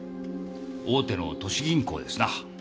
大手の都市銀行ですな。